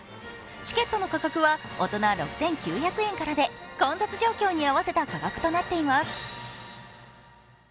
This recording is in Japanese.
チケットの価格は大人６９００円からで、混雑状況に合わせた価格となっています。